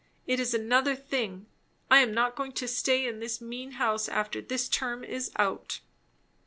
it is another thing. I am not going to stay in this mean house after this term is out."